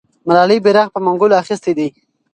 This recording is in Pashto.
ملالۍ بیرغ په منګولو اخیستی دی.